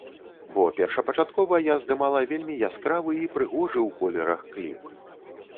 Бо першапачаткова я здымала вельмі яскравы і прыгожы ў колерах кліп.